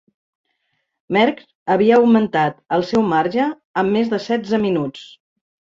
Merckx havia augmentat el seu marge a més de setze minuts.